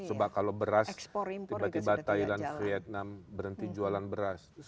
coba kalau beras tiba tiba thailand vietnam berhenti jualan beras